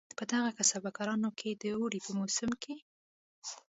په دغو کسبه کارانو کې د اوړي په موسم کې.